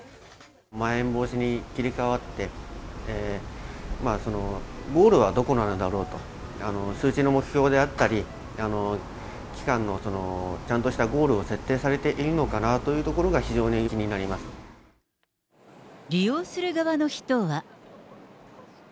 まん延防止に切り替わって、ゴールはどこなのだろうと、期間の、ちゃんとしたゴールを設定されているのかなというところが非常に利用する側の人は。